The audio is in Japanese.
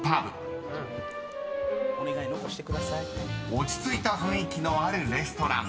［落ち着いた雰囲気のあるレストラン］